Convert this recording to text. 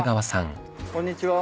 こんにちは。